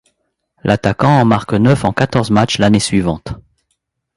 L'attaquant en marque neuf en quatorze matchs l'année suivante.